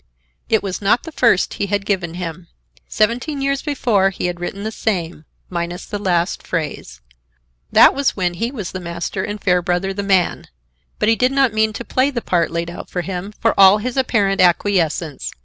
It was not the first he had given him. Seventeen years before he had written the same, minus the last phrase. That was when he was the master and Fairbrother the man. But he did not mean to play the part laid out for him, for all his apparent acquiescence.